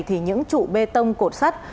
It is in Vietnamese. thì những trụ bê tông cột sắt